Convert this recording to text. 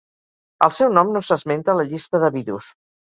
El seu nom no s'esmenta a la llista d'Abidos.